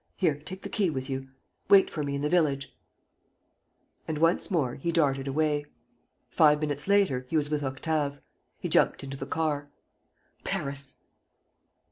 Here, take the key with you. ... Wait for me in the village. ..." And once more, he darted away. Five minutes later, he was with Octave. He jumped into the car: "Paris!"